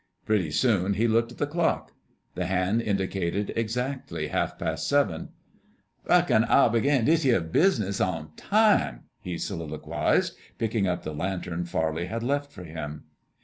Pretty soon he looked at the clock. The hand indicated exactly half past seven. "Reck'n I'll begin dis yere business on time," he soliloquized, picking up the lantern Farley had left for him.